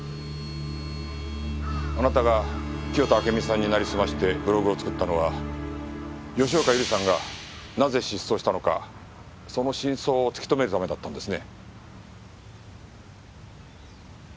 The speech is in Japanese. あなたが清田暁美さんになりすましてブログを作ったのは吉岡百合さんがなぜ失踪したのかその真相を突き止めるためだったんですね？